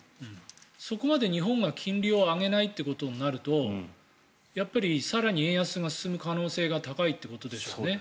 そこまで日本が金利を上げないとなるとやっぱり更に円安が進む可能性が高いということでしょうね。